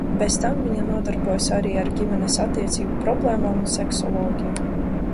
Bez tam viņa nodarbojās arī ar ģimenes attiecību problēmām un seksoloģiju.